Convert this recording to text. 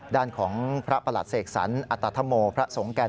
ด้านของพระประหลัดเสกสรรอัตธโมพระสงแก่น